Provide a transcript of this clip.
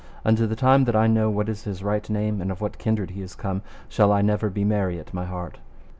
Unto the time that I know what is his right name, and of what kindred he is come, shall I never be merry at my heart.